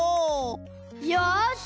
よし！